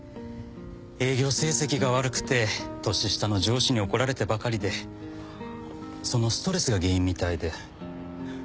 営業成績が悪くて年下の上司に怒られてばかりでそのストレスが原因みたいで。